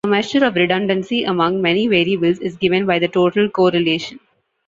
A measure of redundancy among many variables is given by the total correlation.